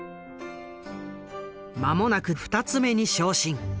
間もなく二ツ目に昇進。